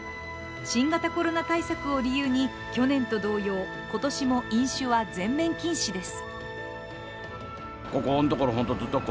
新型コロナ対策を理由に去年と同様、今年も飲酒は全面禁止です。